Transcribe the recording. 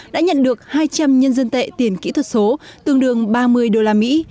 đã nhận được hai trăm linh nhân dân tệ tiền kỹ thuật số tương đương ba mươi đô la mỹ